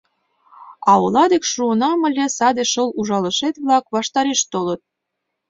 А ола дек шуынам ыле, саде шыл ужалышет-влак ваштареш толыт.